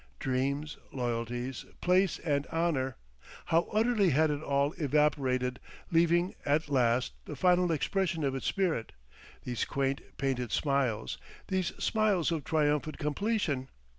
Dreams, loyalties, place and honour, how utterly had it all evaporated, leaving, at last, the final expression of its spirit, these quaint painted smiles, these smiles of triumphant completion!